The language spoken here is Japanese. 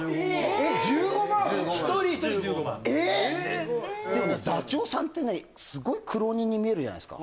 ・えっ！？でもねダチョウさんってねすごい苦労人に見えるじゃないですか